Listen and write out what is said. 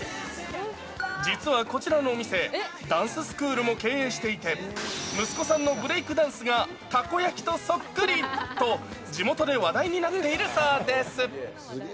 実はこちらのお店、ダンススクールも経営していて、息子さんのブレイクダンスがたこ焼きとそっくり、と地元で話題に何？